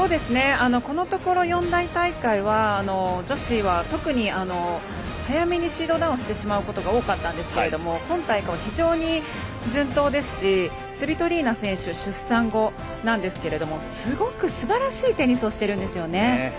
このところ四大大会は女子は特に早めにシードダウンしてしまうことが多かったんですが今大会は非常に順当ですしスビトリナ選手は出産後、初めてなんですがすばらしいテニスをしていますね。